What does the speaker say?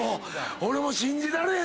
俺も信じられへん